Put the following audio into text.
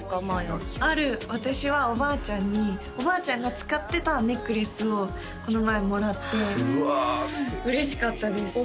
まあやある私はおばあちゃんにおばあちゃんが使ってたネックレスをこの前もらってうわ素敵嬉しかったです